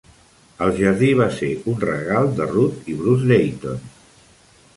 El jardí va ser un regal de Ruth i Bruce Dayton.